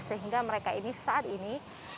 sehingga mereka ini saat ini